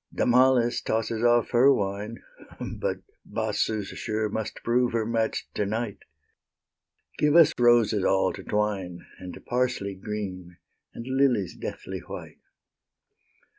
Damalis tosses off her wine, But Bassus sure must prove her match to night. Give us roses all to twine, And parsley green, and lilies deathly white.